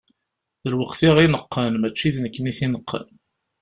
D lweqt i aɣ-ineqqen, mačči d nekkni i t-ineqqen.